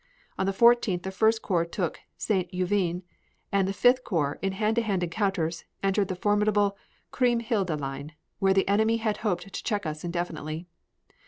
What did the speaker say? On the 14th the First Corps took St. Juvin, and the Fifth Corps, in hand to hand encounters, entered the formidable Kriemhilde line, where the enemy had hoped to check us indefinitely.